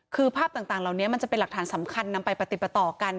คือภาพต่างเหล่านี้มันจะเป็นหลักฐานสำคัญนำไปปฏิปต่อกัน